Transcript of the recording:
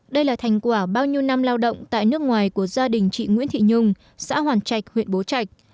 đây là thành quả bao nhiêu năm lao động tại nước ngoài của gia đình chị nguyễn thị nhung xã hoàn trạch huyện bố trạch